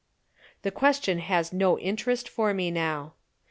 The question has no interest for me now.